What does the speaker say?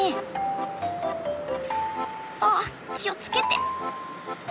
ああっ気をつけて。